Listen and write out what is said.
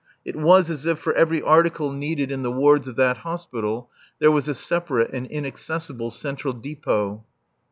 It was as if for every article needed in the wards of that Hospital there was a separate and inaccessible central depôt.